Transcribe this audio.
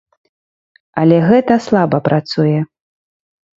Але гэта слаба працуе.